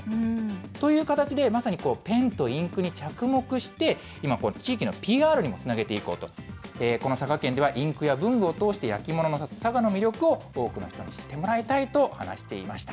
という形で、まさにペンとインクに着目して、今こうやって地域のＰＲにもつなげていこうと、この佐賀県では、インクや文具を通して、焼き物の里、佐賀の魅力を多くの人に知ってもらいたいと話していました。